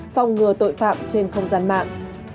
phòng ngừa tội phạm trên không gian mạng